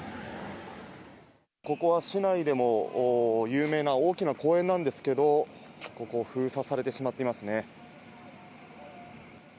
ここは市内でも有名な大きな公園なんですけどここは封鎖されてしまっていますね。